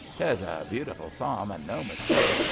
'Tes a beau tiful Psalm and no mistake.